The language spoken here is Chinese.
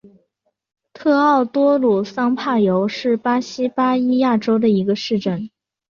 特奥多鲁桑帕尤是巴西巴伊亚州的一个市镇。